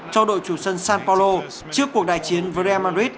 cho đội chủ sân san paolo trước cuộc đại chiến vd madrid